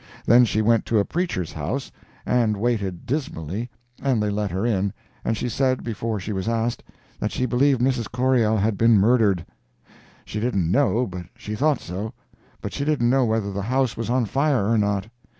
Then she went to a preacher's house and waited dismally, and they let her in, and she said, before she was asked, that she believed Mrs. Corriell had been murdered—she didn't know, but she thought so—but she didn't know whether the house was on fire or not!